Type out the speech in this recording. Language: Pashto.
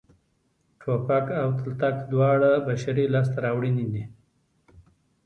ټوپک او تلتک دواړه بشري لاسته راوړنې دي